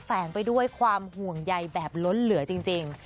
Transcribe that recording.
แฝงไปด้วยความห่วงใยแบบล้นเหลือจริง